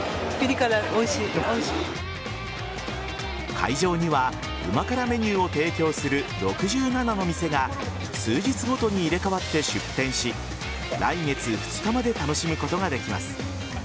会場には旨辛メニューを提供する６７の店が数日ごとに入れ替わって出店し来月２日まで楽しむことができます。